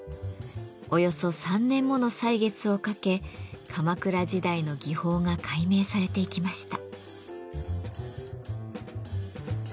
およそ３年もの歳月をかけ鎌倉時代の技法が解明されていきました。